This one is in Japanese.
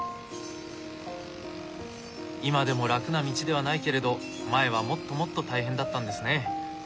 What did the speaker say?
今でも楽な道ではないけれど前はもっともっと大変だったんですね。